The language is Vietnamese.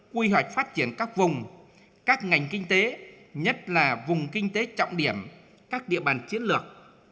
quy hoạch phát triển các vùng các ngành kinh tế nhất là vùng kinh tế trọng điểm các địa bàn chiến lược